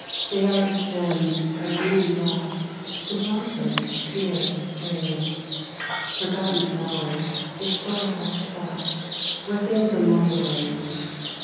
They are as gems by Beauty wrought To blossoms pure and strange Forgotten flowers the soul hath sought Where things immortal range.